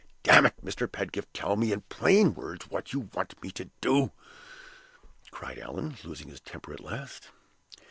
"Damn it, Mr. Pedgift, tell me in plain words what you want to do!" cried Allan, losing his temper at last.